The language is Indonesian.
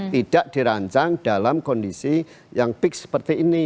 tidak dirancang dalam kondisi yang peak seperti ini